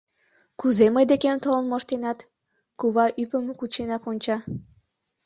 Кузе мый декем толын моштенат? — кува ӱпым кученак онча.